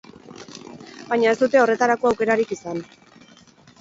Baina ez dute horretarako aukerarik izan.